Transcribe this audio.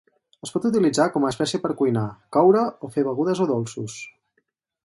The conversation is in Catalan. Es pot utilitzar com a espècia per cuinar, coure, o fer begudes o dolços.